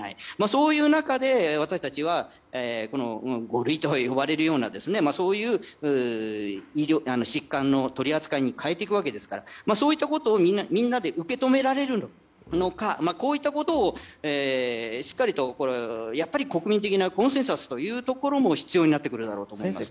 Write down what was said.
そういう中で私たちは五類と呼ばれるようなそういう疾患の取り扱いに変えていくわけですからそういったことをみんなで受け止められるのかしっかりと国民的なコンセンサスというところも必要になってくると思います。